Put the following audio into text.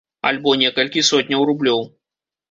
Альбо некалькі сотняў рублёў.